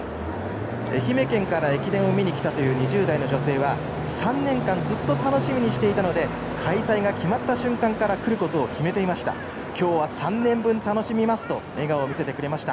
愛媛県から駅伝を見に来たという２０代の女性は、３年間ずっと楽しみにしていたので開催が決まった瞬間から来ることを決めていました。